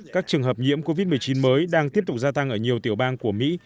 các trường hợp nhiễm covid một mươi chín mới đang tiếp tục gia tăng ở nhiều tiểu bang của mỹ